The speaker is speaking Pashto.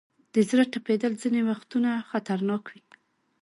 د زړه ټپېدل ځینې وختونه خطرناک وي.